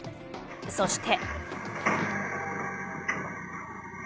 そして。